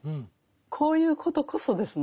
こういうことこそですね